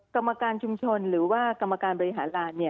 กรรมการชุมชนหรือว่ากรรมการบริหารลาน